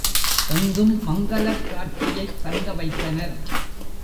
எங்கும் மங்கலக் காட்சியைத் தங்க வைத்தனர்.